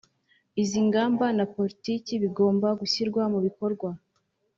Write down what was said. Izi ngamba na politiki bigomba gushyirwa mu bikorwa